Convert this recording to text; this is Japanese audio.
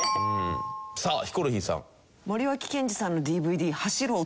さあヒコロヒーさん。